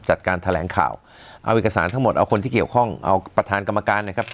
จัดการแถลงข่าวเอาเอกสารทั้งหมดเอาคนที่เกี่ยวข้องเอาประธานกรรมการนะครับ